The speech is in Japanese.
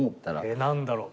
何だろう？